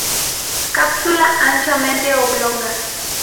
Cápsula anchamente oblonga.